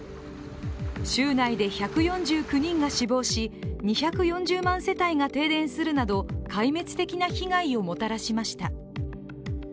州内で１４９人が死亡し、２４０万世帯が停電するなど壊滅的な被害をもたらしました。